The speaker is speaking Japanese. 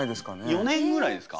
４年ぐらいですか。